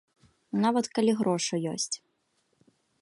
Нават калі грошы ёсць.